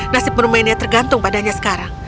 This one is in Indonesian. nasib bermainnya tergantung padanya sekarang